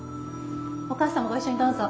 お母さんもご一緒にどうぞ。